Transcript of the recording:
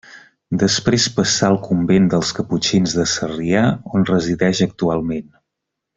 Després passà al convent dels Caputxins de Sarrià, on resideix actualment.